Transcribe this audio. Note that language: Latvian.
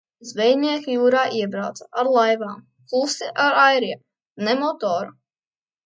Zvejnieki jūrā iebrauca ar laivām, klusi ar airiem, ne motoru.